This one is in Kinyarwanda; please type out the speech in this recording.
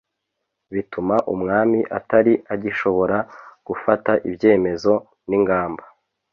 bituma umwami atari agishobora gufata ibyemezo n'ingamba